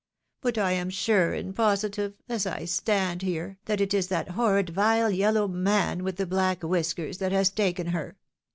But I am sure and posi tive, as I stand here, that it is that horrid vile yellow man with the black whiskers that has taken her!